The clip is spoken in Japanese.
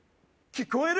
聞こえる！